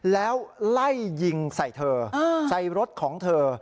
แล้วไล่ยิงใส่เธอใส่รถของเธอ